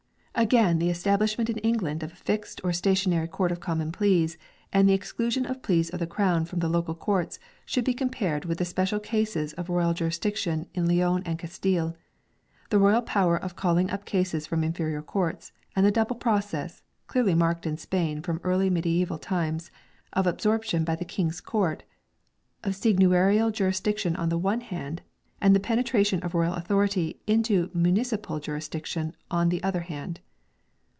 Again the establishment in England of a fixed or stationary Court of Common Pleas and the exclusion of pleas of the Crown from the local courts should be compared with the special cases of royal jurisdiction in Leon and Castile, the royal power of calling up cases from inferior courts, and the double process clearly marked in Spain from early mediaeval times of absorption by the King's Court of seigneurial jurisdiction on the one hand, and the penetration of royal authority into municipal jurisdiction on the other hand.